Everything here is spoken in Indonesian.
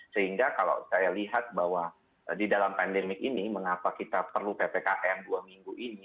sehingga kalau saya lihat bahwa di dalam pandemik ini mengapa kita perlu ppkm dua minggu ini